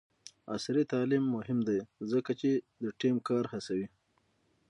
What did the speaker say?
عصري تعلیم مهم دی ځکه چې د ټیم کار هڅوي.